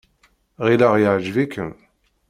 Ɣileɣ yeɛjeb-ikem.